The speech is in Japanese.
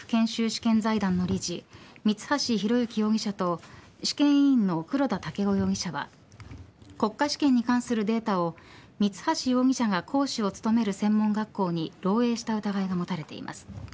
試験財団の理事三橋裕之容疑者と試験委員の黒田剛生容疑者は国家試験に関するデータを三橋容疑者が講師を務める専門学校に漏えいした疑いが持たれています。